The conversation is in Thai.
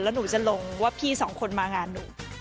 แล้วหนูจะลงว่าพี่สองคนมางานหนู